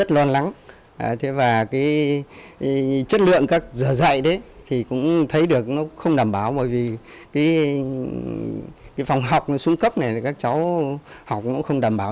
phòng học xuống cấp này các cháu học cũng không đảm bảo